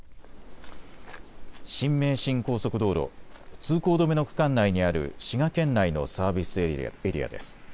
新名神高速道路、通行止めの区間内にある滋賀県内のサービスエリアです。